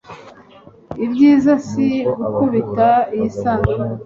Ibyiza si gukubita iyi sanduku